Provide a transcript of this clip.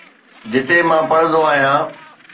جتي مان پڙهندو آهيان